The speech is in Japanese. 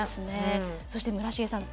そして村重さん